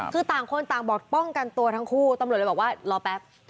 คือต่างคนต่างบอกป้องกันตัวทั้งคู่ตำรวจเลยบอกว่ารอแป๊บ